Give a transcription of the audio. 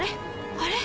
あれ？